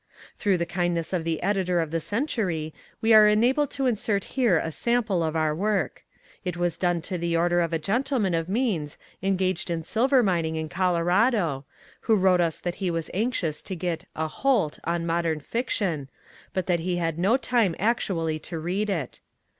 Through the kindness of the Editor of the Century we are enabled to insert here a sample of our work. It was done to the order of a gentleman of means engaged in silver mining in Colorado, who wrote us that he was anxious to get "a holt" on modern fiction, but that he had no time actually to read it.